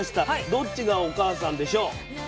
どっちがお母さんでしょう？